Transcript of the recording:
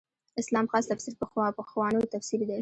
اسلام خاص تفسیر پخوانو تفسیر دی.